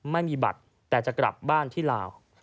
ไม่มีบัตรแต่จะกลับบ้านที่ลาว